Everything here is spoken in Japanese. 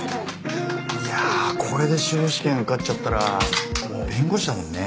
いやあこれで司法試験受かっちゃったらもう弁護士だもんね。